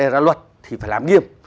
ra luật thì phải làm nghiêm